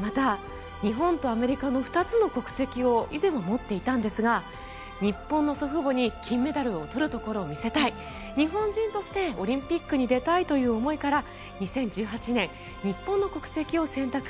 また、日本とアメリカの２つの国籍を以前は持っていたんですが日本の祖父母に金メダルを取るところを見せたい日本人としてオリンピックに出たいという思いから２０１８年日本の国籍を選択し